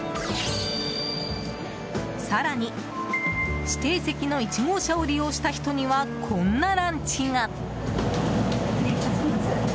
更に、指定席の１号車を利用した人にはこんなランチが。